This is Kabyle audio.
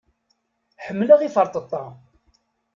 Ḥemmleɣ iferṭeṭṭa.